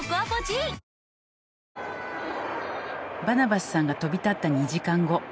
バナバスさんが飛び立った２時間後。